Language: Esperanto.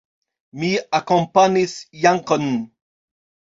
Mi akompanis Jankon.